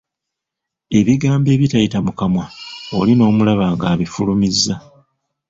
Ebigambo ebitayita mu kamwa, oli n'omulaba nga abifulumizza.